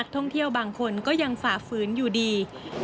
ท่องเที่ยวบางคนก็ยังฝ่าฝืนอยู่ดี